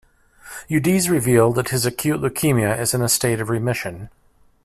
Udeze revealed that his acute leukemia is in a state of remission.